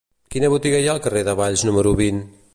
Quina botiga hi ha al carrer de Valls número vint?